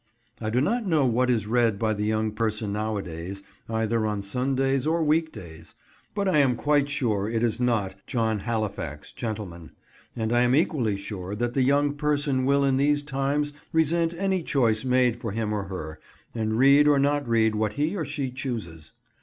I do not know what is read by the young person nowadays, either on Sundays or week days, but I am quite sure it is not John Halifax, Gentleman, and I am equally sure that the young person will in these times resent any choice made for him or her, and read or not read what he or she chooses.